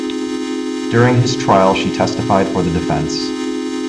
During his trial, she testified for the defense.